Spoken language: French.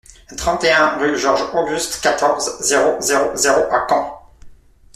trente et un rue Georges Auguste, quatorze, zéro zéro zéro à Caen